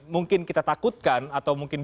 mungkin kita takutkan atau mungkin